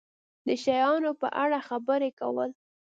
د شیانو په اړه خبرې کول